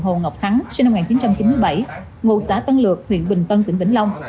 hồ ngọc thắng sinh năm một nghìn chín trăm chín mươi bảy ngụ xã tân lược huyện bình tân tỉnh vĩnh long